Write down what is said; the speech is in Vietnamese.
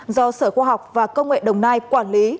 do sở khoa học và công nghệ đồng nai quản lý